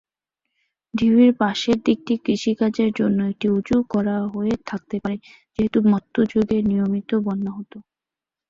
ঢিবির পাশের দিকটি কৃষিকাজের জন্য একটু উঁচু করা হয়ে থাকতে পারে যেহেতু মধ্যযুগে নিয়মিত বন্যা হত।